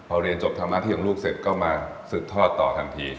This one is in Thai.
พอเรียนจบทำหน้าที่ของลูกเสร็จก็มาสืบทอดต่อทันที